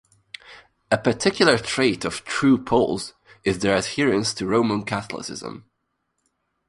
A particular trait of "True Poles" is their adherence to Roman Catholicism.